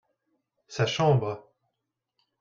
sa chambre.